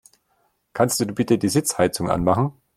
Kannst du bitte die Sitzheizung anmachen?